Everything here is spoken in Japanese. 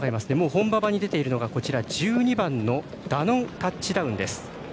本馬場に出ているのが１２番のダノンタッチダウンです。